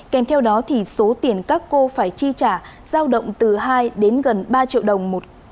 kèm theo đó thì số tiền các cô phải chi trả giao động từ hai đến gần ba triệu đồng